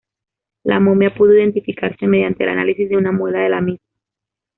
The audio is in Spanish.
La momia pudo identificarse mediante el análisis de una muela de la misma.